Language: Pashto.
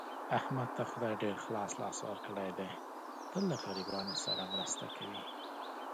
احمد ته خدای ډېر خلاص لاس ورکړی دی، تل له غریبانو سره مرسته کوي.